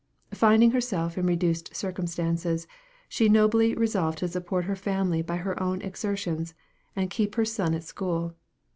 Finding herself in reduced circumstances, she nobly resolved to support her family by her own exertions, and keep her son at school.